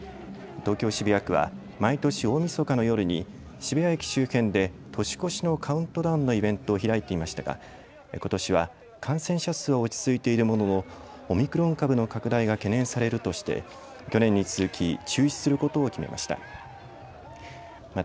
東京渋谷区は毎年、大みそかの夜に渋谷駅周辺で年越しのカウントダウンのイベントを開いていましたがことしは感染者数は落ち着いているもののオミクロン株の拡大が懸念されるとして去年に続き中止することを決めました。